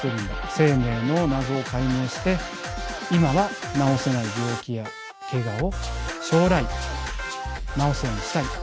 生命の謎を解明して今は治せない病気やけがを将来治すようにしたい。